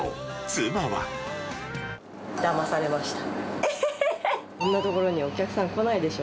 だまされました。